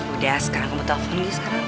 udah sekarang kamu telepon dia sekarang